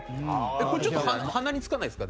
でもこれちょっと鼻につかないですか？